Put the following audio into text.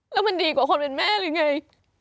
แล้วมันดีกว่าคนเป็นแม่หรือไง